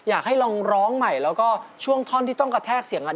อยากให้ลองร้องใหม่แล้วก็ช่วงท่อนที่ต้องกระแทกเสียงกัน